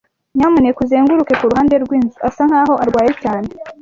Nyamuneka uzenguruke kuruhande rwinzu. Asa nkaho arwaye cyane.